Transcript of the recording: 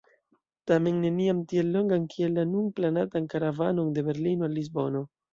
Tamen neniam tiel longan kiel la nun planatan karavanon de Berlino al Lisbono.